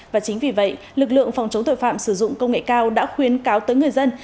và chính vì vậy lực lượng phòng chống tội phạm sử dụng công nghệ cao đã khuyến cáo tới người dân